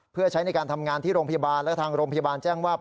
เพื่อใช้ในการทำงานที่โรงพยาบาลและทางโรงพยาบาลแจ้งว่า